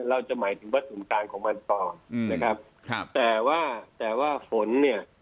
เราจะหมายถึงวันฝั่งของมันต่อนะครับแต่ว่าฝนเนี่ย